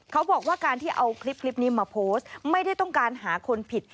เขาบอกว่าการที่เอาคลิปนี้มาโพสต์ไม่ได้ต้องการหาคนผิด